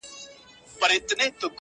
خدایه ملیار مي له ګلونو سره لوبي کوي!!